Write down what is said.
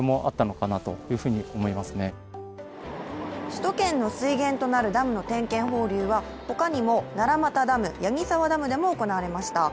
首都圏の水源となるダムの点検放流は、他にも奈良俣ダム、矢木沢ダムでも行われました。